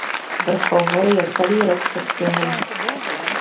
Vrchol hory je celý rok pod sněhem.